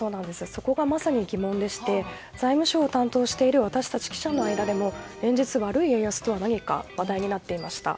そこがまさに疑問でして財務省を担当している私たち記者の間でも連日、悪い円安とは何か話題になっていました。